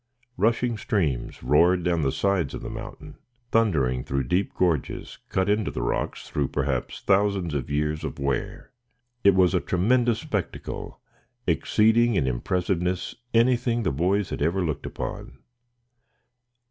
Rushing streams roared down the sides of the mountain, thundering through deep gorges cut into the rocks through perhaps thousands of years of wear. It was a tremendous spectacle, exceeding in impressiveness anything the boys had ever looked upon.